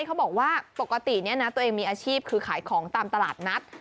เขาบอกว่าปกติเนี่ยนะตัวเองมีอาชีพคือขายของตามตลาดนัด